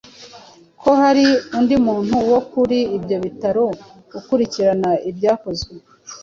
ko hari undi muntu wo kuri ibyo bitaro ukurikirana ibyakozwe